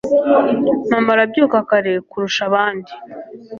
Mama arabyuka kare kurusha abandi.